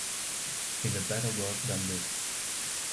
In a better world than this